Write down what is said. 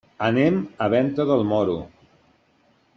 Anem a Venta del Moro.